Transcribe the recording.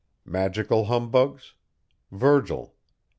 MAGICAL HUMBUGS. VIRGIL.